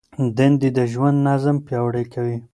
دندې د ژوند نظم پیاوړی کوي.